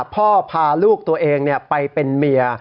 พาลูกตัวเองไปเป็นเมีย